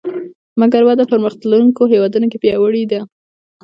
مګر وده په پرمختلونکو هېوادونو کې پیاوړې ده